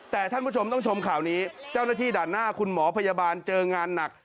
แต่ท่านผู้ชมต้องชมข่าวนี้เจ้าหน้าที่ด่านหน้าคุณหมอพยาบาลเจองานหนัก